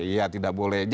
ya tidak boleh